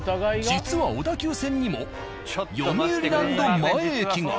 実は小田急線にも読売ランド前駅が。